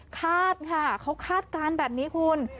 คาดค่ะเขาคาดการณ์แบบนี้คุณ